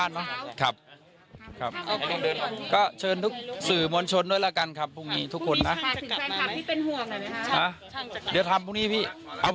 หลับครับนี่จะหลับอยู่แล้วเนี่ย